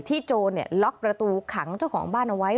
โจรล็อกประตูขังเจ้าของบ้านเอาไว้